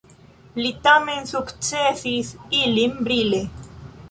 Li tamen sukcesis ilin brile.